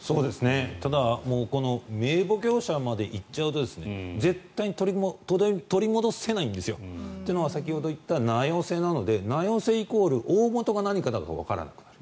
ただ名簿業者まで行っちゃうと絶対に取り戻せないんですよ。というのは先ほど言った名寄せなどで名寄せイコール大本がどこなのかわからなくなる。